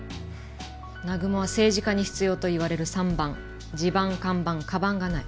南雲は政治家に必要といわれる三バン地盤看板鞄がない。